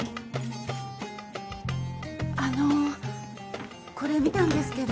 あのこれ見たんですけど。